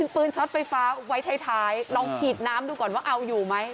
ปืนช็อตไฟฟ้าไว้ท้ายลองฉีดน้ำดูก่อนว่าเอาอยู่ไหม